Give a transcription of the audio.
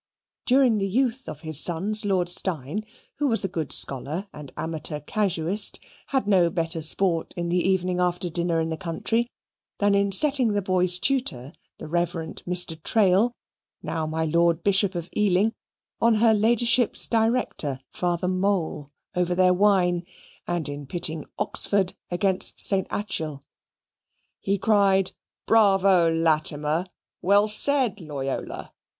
During the youth of his sons, Lord Steyne, who was a good scholar and amateur casuist, had no better sport in the evening after dinner in the country than in setting the boys' tutor, the Reverend Mr. Trail (now my Lord Bishop of Ealing) on her ladyship's director, Father Mole, over their wine, and in pitting Oxford against St. Acheul. He cried "Bravo, Latimer! Well said, Loyola!"